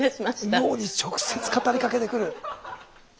脳に直接語りかけてくる。